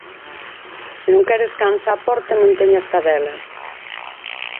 Se non queres cans á porta ,non teñas cadelas.